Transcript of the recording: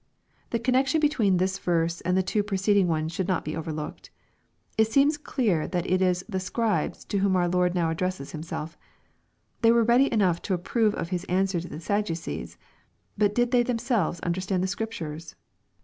] The connectioii between this verse and the two preceding ones should not be overlooked. . It seems clear that it is " the Scribes" to whom our Lord now addresses HimselE They were ready enough to approve of His answer to the Saddu cees. But did they themselves understand the Scriptures